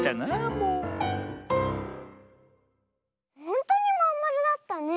ほんとにまんまるだったね！